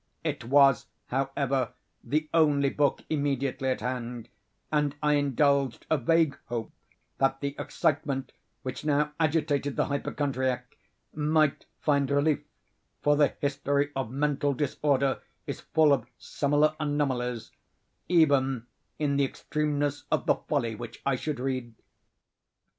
It was, however, the only book immediately at hand; and I indulged a vague hope that the excitement which now agitated the hypochondriac, might find relief (for the history of mental disorder is full of similar anomalies) even in the extremeness of the folly which I should read.